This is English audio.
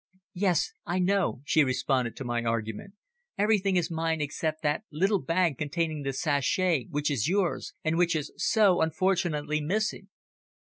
"Yes, I know," she responded to my argument. "Everything is mine except that little bag containing the sachet, which is yours, and which is so unfortunately missing."